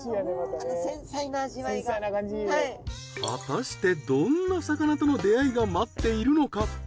果たしてどんな魚との出会いが待っているのか。